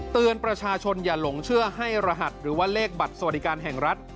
เตือนประชาชนอย่าหลงเชื่อให้รหัสหรือว่าเลขบัตรสวัสดิการแห่งรัฐ